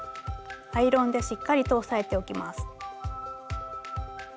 アイロンでしっかりと押さえておきます。